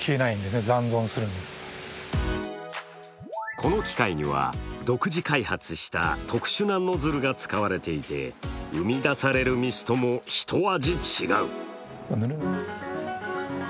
この機械には独自開発した特殊なノズルが使われていて生み出されるミストも一味違う。